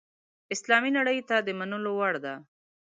اسلامي نړۍ ته د منلو وړ ده.